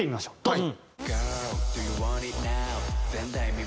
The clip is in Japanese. はい。